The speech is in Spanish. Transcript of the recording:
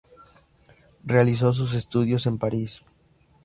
Realizó sus estudios en París.